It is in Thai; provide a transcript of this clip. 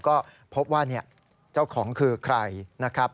ก็พบว่าเจ้าของคือใครนะครับ